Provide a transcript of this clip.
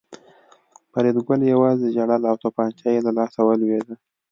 فریدګل یوازې ژړل او توپانچه یې له لاسه ولوېده